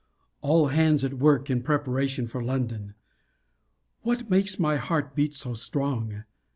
All hands at work in preparation for London. What makes my heart beat so strong?